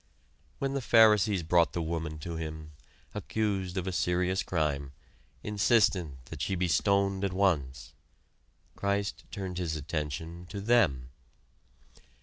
When the Pharisees brought the woman to Him, accused of a serious crime, insistent that she be stoned at once, Christ turned his attention to them.